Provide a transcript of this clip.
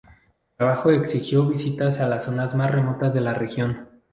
El trabajo exigió visitas a las zonas más remotas de la región.